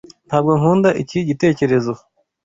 Ntabwo nkunda iki gitekerezo.